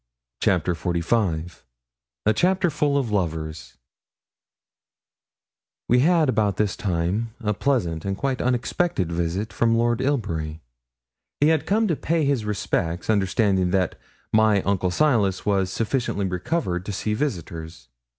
CHAPTER XLV A CHAPTER FULL OF LOVERS We had about this time a pleasant and quite unexpected visit from Lord Ilbury. He had come to pay his respects, understanding that my uncle Silas was sufficiently recovered to see visitors.